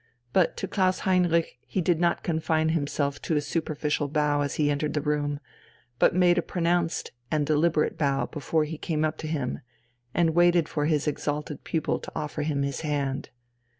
But to Klaus Heinrich he did not confine himself to a superficial bow as he entered the room, but made a pronounced and deliberate bow before he came up to him, and waited for his exalted pupil to offer him his hand.